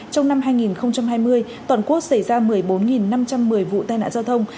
trong năm hai nghìn hai mươi toàn quốc xảy ra một mươi bốn năm trăm một mươi vụ tai nạn giao thông